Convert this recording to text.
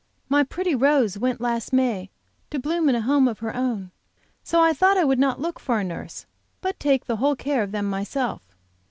My pretty Rose went last May, to bloom in a home of her own, so I thought I would not look for a nurse, but take the whole care of them myself.